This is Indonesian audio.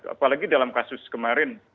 apalagi dalam kasus kemarin